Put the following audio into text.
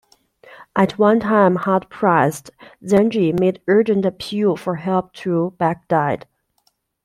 At one time hard pressed, Zengi made urgent appeal for help to Baghdad.